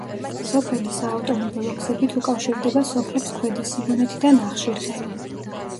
სოფელი საავტომობილო გზებით უკავშირდება სოფლებს ქვედა სიმონეთი და ნახშირღელე.